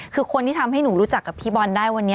คือคนที่ทำให้หนูรู้จักกับพี่บอลได้วันนี้